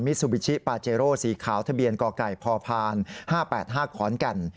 ซูบิชิปาเจโร่สีขาวทะเบียนกไก่พพ๕๘๕ขอนแก่น